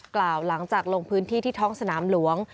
กล่าวหลังจากลงพื้นที่ที่ท้องสนามหลวง